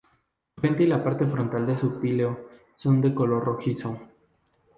Su frente y la parte frontal de su píleo son de color rojizo.